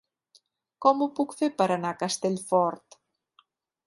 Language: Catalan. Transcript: Com ho puc fer per anar a Castellfort?